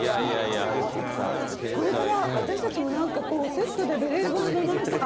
これから私たちも何かこうセットでベレー帽の何か。